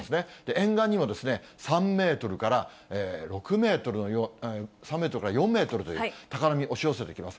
沿岸には３メートルから４メートルという高波、押し寄せてきます。